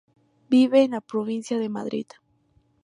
Vive en la provincia de Madrid.